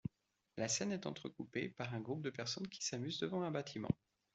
La scène est entrecoupée par un groupe de personnes qui s’amusent devant un bâtiment.